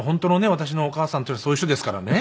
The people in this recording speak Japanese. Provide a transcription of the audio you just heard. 私のお母さんというのはそういう人ですからね。